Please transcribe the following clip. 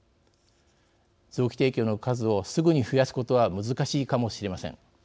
臓器提供の数をすぐに増やすことは難しいかもしれません。